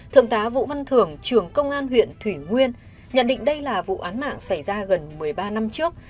thượng tá vũ văn thưởng trưởng công an huyện thủy nguyên nhận định đây là vụ án mạng xảy ra gần một mươi ba năm trước